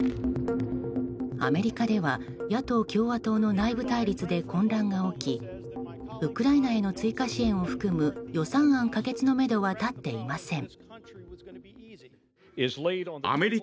アメリカでは、野党・共和党の内部対立で混乱が起きウクライナへの追加支援を含む予算案可決のめどは立っていません。